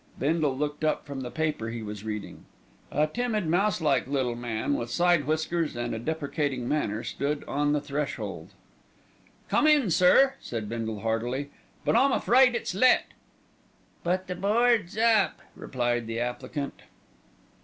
Bindle looked up from the paper he was reading. A timid, mouse like little man with side whiskers and a deprecating manner stood on the threshold. "Come in, sir," said Bindle heartily; "but I'm afraid it's let." "But the board's up," replied the applicant.